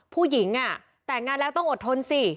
ผู้หญิงแต่งงานแล้วต้องอดทนสิ